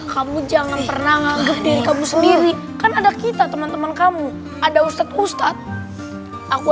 kamu jangan pernah ngageh diri kamu sendiri kan ada kita teman teman kamu ada ustadz ustadz aku